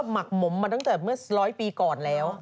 มักหมมมาตั้งแต่๑๐๐ปีก่อนแล้ว